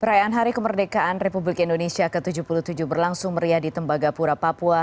perayaan hari kemerdekaan republik indonesia ke tujuh puluh tujuh berlangsung meriah di tembagapura papua